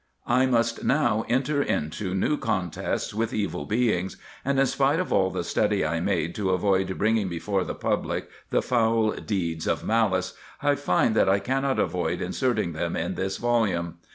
I must now enter into new contests with evil beings ; and in spite of all the study I made to avoid bringing before the public the foul deeds of malice, I find that I cannot avoid inserting them in this volume.